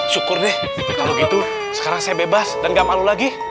syukur deh kalau gitu sekarang saya bebas dan gak malu lagi